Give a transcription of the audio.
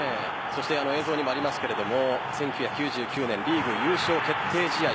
そして映像にもありますが１９９９年リーグ優勝決定試合